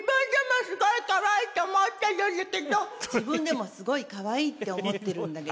「自分でもすごい可愛いって思ってるんだけど」。